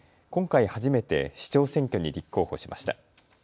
今回、初めて市長選挙に立候補しました。